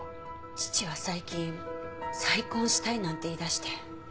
父は最近再婚したいなんて言い出して。